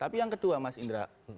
tapi yang kedua mas indra